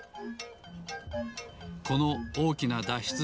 このおおきなだっしゅつ